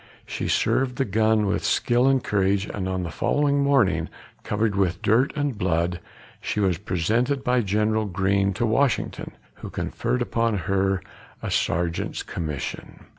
She served the gun with skill and courage, and on the following morning, covered with dirt and blood, she was presented by General Greene to Washington, who conferred upon her a sergeant's commission.